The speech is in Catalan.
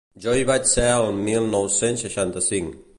Jo hi vaig ser el mil nou-cents seixanta-cinc.